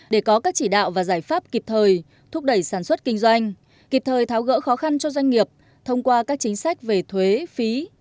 để có các chỉ đạo và giải pháp kịp thời thúc đẩy sản xuất kinh doanh kịp thời tháo gỡ khó khăn cho doanh nghiệp thông qua các chính sách về thuế phí